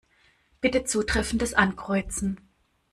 Bitte zutreffendes Ankreuzen.